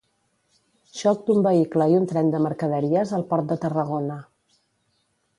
Xoc d'un vehicle i un tren de mercaderies al Port de Tarragona.